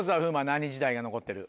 何時代が残ってる？